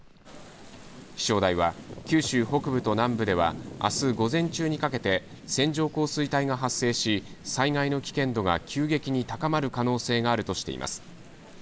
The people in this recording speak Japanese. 気象台は九州北部と南部ではあす午前中にかけて線状降水帯が発生し、災害の危険度が急激に高まる可能性があるとしています。